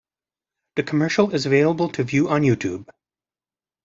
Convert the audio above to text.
The commercial is available to view on YouTube.